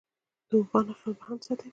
د اوښانو خیال به هم ساتې.